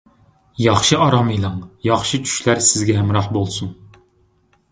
ياخشى ئارام ئېلىڭ، ياخشى چۈشلەر سىزگە ھەمراھ بولسۇن!